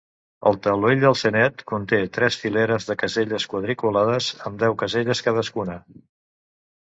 El taulell del Senet conté tres fileres de caselles quadriculades amb deu caselles cadascuna.